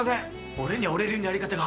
俺には俺流のやり方が。